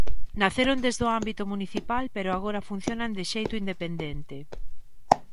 Naceron desde o ámbito municipal pero agora funcionan de xeito independente.